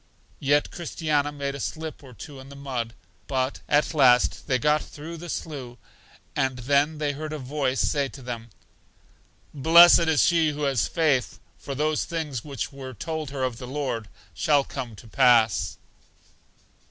Yet Christiana made a slip or two in the mud; but at last they got through the slough, and then they heard a voice say to them: Blest is she who hath faith, for those things which were told her of the Lord shall come to pass.